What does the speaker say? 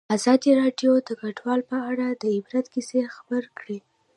ازادي راډیو د کډوال په اړه د عبرت کیسې خبر کړي.